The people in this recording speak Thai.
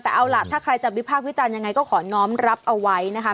แต่เอาล่ะถ้าใครจะวิพากษ์วิจารณ์ยังไงก็ขอน้องรับเอาไว้นะคะ